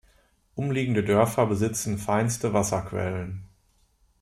Umliegende Dörfer besitzen feinste Wasserquellen.